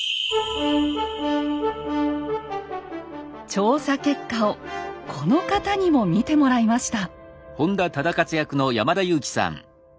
調査結果をこの方にも見てもらいました。